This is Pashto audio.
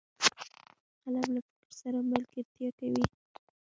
قلم له فکر سره ملګرتیا کوي